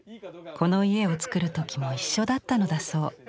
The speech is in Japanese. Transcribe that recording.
この家を造る時も一緒だったのだそう。